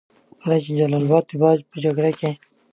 کله چې د جلال اباد د دفاع په جګړه کې.